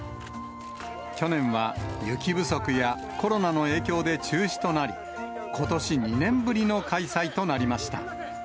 去年は雪不足や、コロナの影響で中止となり、ことし２年ぶりの開催となりました。